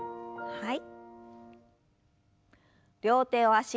はい。